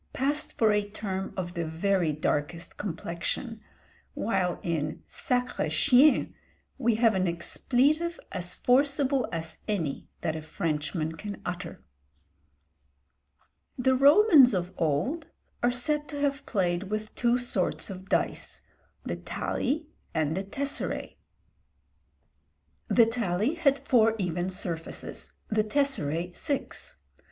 _ passed for a term of the very darkest complexion; while in sacré chien, we have an expletive as forcible as any that a Frenchman can utter. The Romans of old are said to have played with two sorts of dice, the tali and the tesseræ. The tali had four even surfaces, the tesseræ six.